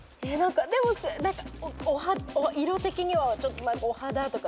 何か色的にはお肌とか。